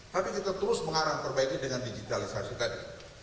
tapi kita terus mengharang perbaikan dengan digitalisasi tadi